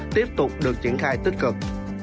tiếp tục được triển khai tích cực